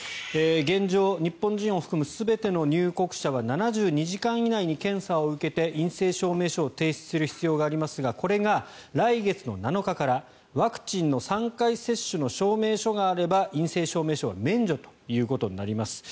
現状、日本人を含む全ての入国者は７２時間以内に検査を受けて、陰性証明書を提出する必要がありますがこれが来月の７日からワクチンの３回接種の証明書があれば陰性証明書は免除ということになります。